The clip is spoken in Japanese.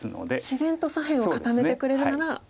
自然と左辺を固めてくれるならうれしい。